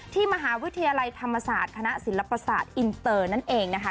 มหาวิทยาลัยธรรมศาสตร์คณะศิลปศาสตร์อินเตอร์นั่นเองนะคะ